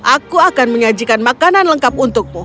aku akan menyajikan makanan lengkap untukmu